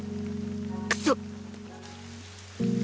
クソッ！